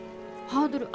ハードル？